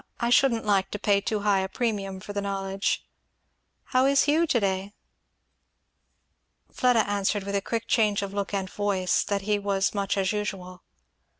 I shouldn't like to pay too high a premium for the knowledge. How is Hugh, to day?" Fleda answered with a quick change of look and voice that he was much as usual.